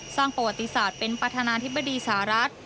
สร้างประวัติศาสตร์เป็นประธานาธิบดีสหรัฐ